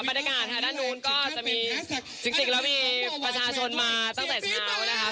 บรรยากาศทางด้านนู้นก็จะมีจริงแล้วมีประชาชนมาตั้งแต่เช้านะคะ